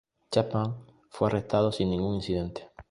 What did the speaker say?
Chapman fue arrestado sin ningún incidente.